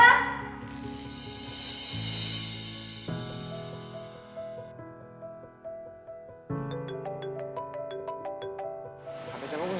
hp sama bunyi